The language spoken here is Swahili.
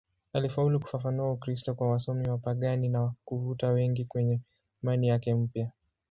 Alifaulu kufafanua Ukristo kwa wasomi wapagani na kuvuta wengi kwenye imani yake mpya.